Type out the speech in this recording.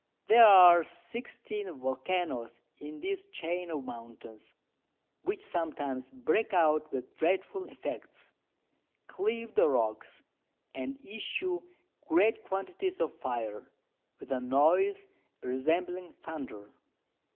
There are 16 Vulcanos in this Chain of Mountains, which sometimes break out with dreadful Effects, cleave the Rocks, and issue great Quantities of Fire, with a Noise resembling Thunder.